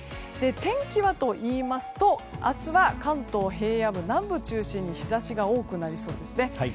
天気はといいますと明日は関東平野部、南部中心に日差しが多くなりそうですね。